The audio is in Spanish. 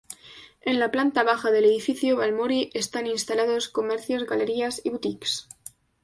En la planta baja del edificio Balmori están instalados comercios, galerías y boutiques.